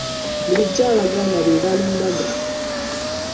Bulijjo Abaganda be baalumbanga.